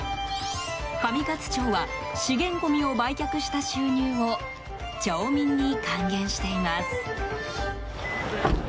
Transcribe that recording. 上勝町は、資源ごみを売却した収入を町民に還元しています。